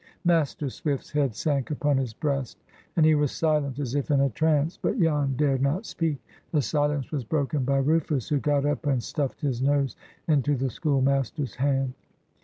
Master Swift's head sank upon his breast, and he was silent, as if in a trance, but Jan dared not speak. The silence was broken by Rufus, who got up and stuffed his nose into the schoolmaster's hand.